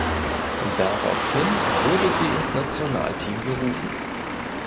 Daraufhin wurde sie ins Nationalteam berufen.